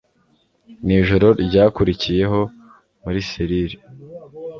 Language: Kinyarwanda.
nijoro ryakurikiyeho muri selire